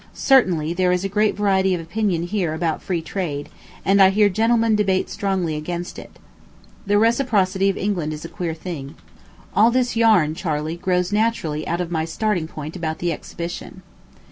Certainly there is a great variety of opinion here about free trade, and I hear gentlemen debate strongly against it. The reciprocity of England is a queer thing. All this yarn, Charley, grows naturally out of my starting point about the exhibition.